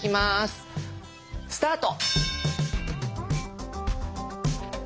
スタート！